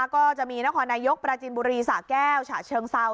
ก็จะมีนครนายกปราจินบุรีสะแก้วฉะเชิงเซา